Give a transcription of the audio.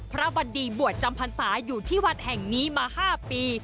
วันดีบวชจำพรรษาอยู่ที่วัดแห่งนี้มา๕ปี